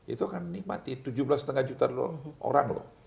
itu kan ini mati tujuh belas lima juta dolar orang loh